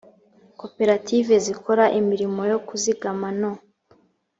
koperative zikora imirimo yo kuzigama no